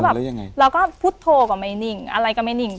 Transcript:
แล้วยังไงเราก็พุทธโธก็ไม่นิ่งอะไรก็ไม่นิ่ง